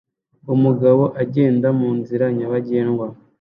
umugabo agenda munzira nyabagendwa